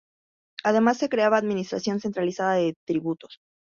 Además, se creaba la Administración Centralizada de Tributos.